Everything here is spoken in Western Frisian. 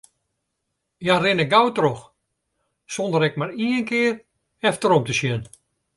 Hja rinne gau troch, sonder ek mar ien kear efterom te sjen.